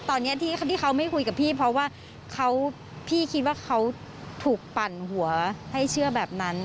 ตอนนี้ที่เขาไม่คุยกับพี่เพราะว่าพี่คิดว่าเขาถูกปั่นหัวให้เชื่อแบบนั้น